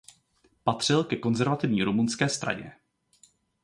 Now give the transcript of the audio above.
Patřil ke konzervativní rumunské straně.